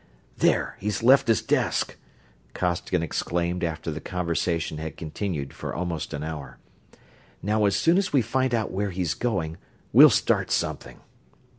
"There, he's left his desk!" Costigan exclaimed after the conversation had continued for almost an hour. "Now as soon as we find out where he's going, we'll start something